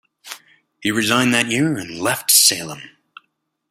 He resigned that year and left Salem.